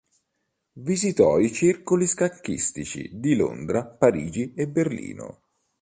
Visitò i circoli scacchistici di Londra, Parigi e Berlino.